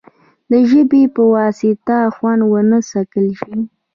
د ژبې په واسطه خوند ونه څکل شي.